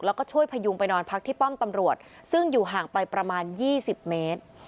แล้วก็ช่วยพยุงไปนอนพักที่ป้อมตำรวจซึ่งอยู่ห่างไปประมาณ๒๐เมตร